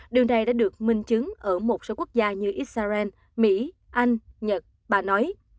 điều này đã được minh chứng ở một số quốc gia như israel mỹ anh nhật bà nói